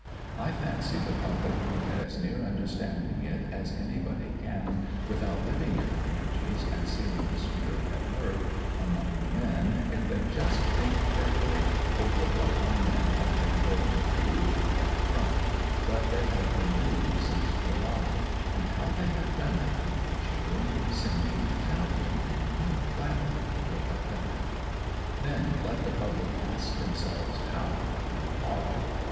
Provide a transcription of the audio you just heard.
I fancy the public wiU get as near understanding it as any body can without living in the trenches and seeing the spirit at work among the A REVEREND CORPORAL 117 men, if they just think carefully over what our men have been going through on that front, what they have been doing since July and how they have done it — cheering, singing, shouting — how gladly they have done it. Then let the pubhc ask themselves how and why.